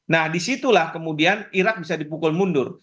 nah disitulah kemudian irak bisa dipukul mundur